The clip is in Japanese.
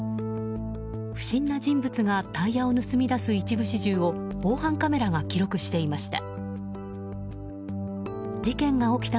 不審な人物がタイヤを盗み出す一部始終を防犯カメラが記録していました。